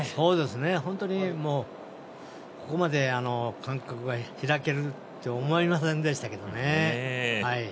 本当に、ここまで間隔が開けるって思いませんでしたけどね。